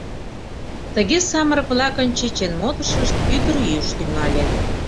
Тыге самырык-влакын чечен модышышт — ӱдырйӱыш тӱҥале.